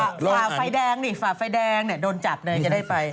ฝาไฟแดงนี่ฝาไฟแดงโดนจัดจะได้ไป